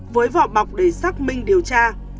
với vỏ bọc để xác minh điều tra